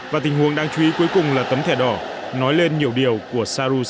và tình huống đang chú ý cuối cùng là tấm thẻ đỏ nói lên nhiều điều của saru saad